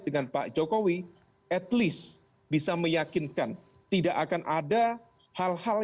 dengan pak jokowi at least bisa meyakinkan tidak akan ada hal hal